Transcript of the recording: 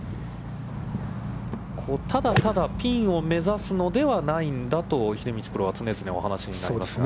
ただただピンを目指すのではないんだと秀道プロは常々お話しになりますが。